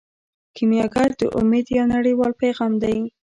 کیمیاګر د امید یو نړیوال پیغام دی.